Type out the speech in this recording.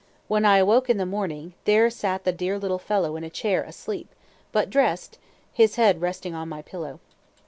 When I awoke in the morning, there sat the dear little fellow in a chair asleep, but dressed, his head resting on my pillow.